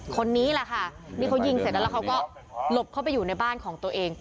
คนนี้แหละค่ะนี่เขายิงเสร็จแล้วแล้วเขาก็หลบเข้าไปอยู่ในบ้านของตัวเอง